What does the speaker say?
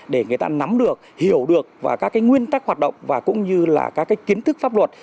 để người ta nắm được hiểu được và các nguyên tắc hoạt động và cũng như là các kiến thức pháp luật